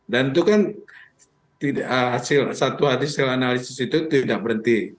dan itu kan satu hasil analisis itu tidak berhenti